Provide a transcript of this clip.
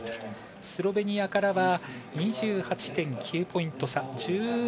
スロベニアからは２８．９ポイント差。